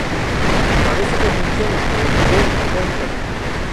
Parece que funciona, por lo que Boone cuenta.